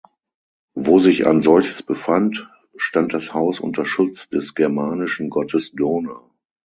Wo sich ein solches befand, stand das Haus unter Schutz des germanischen Gottes Donar.